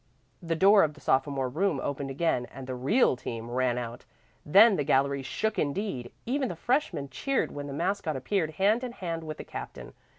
The door of the sophomore room opened again and the "real team" ran out. Then the gallery shook indeed! Even the freshmen cheered when the mascot appeared hand in hand with the captain.